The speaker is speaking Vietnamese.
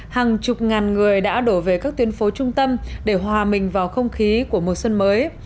hàng chục ngàn người đã đổ về các tuyến phố trung tâm để hòa mình vào không khí của mùa xuân mới